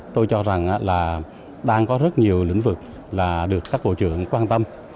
tôi cho rằng là đang có rất nhiều lĩnh vực là được các bộ trưởng quan tâm